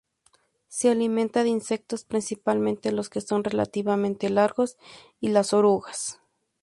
Se alimenta de insectos, principalmente los que son relativamente largos y las orugas.